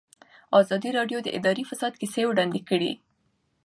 ازادي راډیو د اداري فساد کیسې وړاندې کړي.